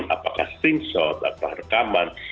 apakah screenshot apakah rekaman